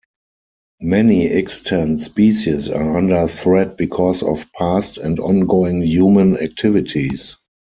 Many extant species are under threat because of past and ongoing human activities.